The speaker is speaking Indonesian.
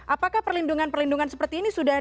apakah perlindungan perlindungan seperti ini sudah